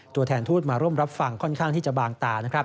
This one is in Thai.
ตัวแทนทูตมาร่วมรับฟังค่อนข้างที่จะบางตานะครับ